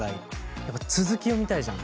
やっぱ続き読みたいじゃん。